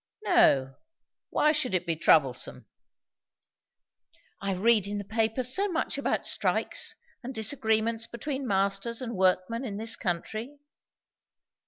"No. Why should it be troublesome?" "I read in the papers so much about strikes, and disagreements between masters and workmen in this country."